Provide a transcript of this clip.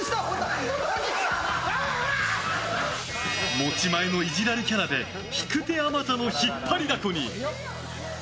持ち前のイジられキャラで引く手あまたの引っ張りだこに。